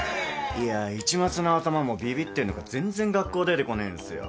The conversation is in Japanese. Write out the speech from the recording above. いや市松のアタマもビビってんのか全然学校出てこねえんすよ。